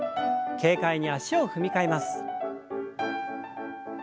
軽快に脚を踏み替えます。